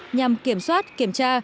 nhằm kiểm soát kiểm tra